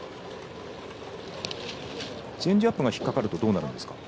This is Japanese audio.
チェンジアップが引っ掛かるとどうなるんですか。